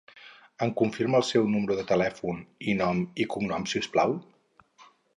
Em confirma el seu número de telèfon i nom i cognoms, si us plau?